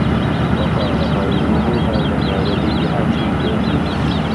وَقالَ قَرينُهُ هذا ما لَدَيَّ عَتيدٌ